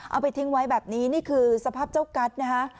เอาไปทิ้งไว้แบบนี้นี่คือสภาพเจ้ากัสนะคะ